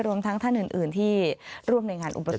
รวมทั้งท่านอื่นที่ร่วมในงานอุปสรรค